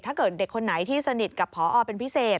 ถ้าเกิดเด็กคนไหนที่สนิทกับพอเป็นพิเศษ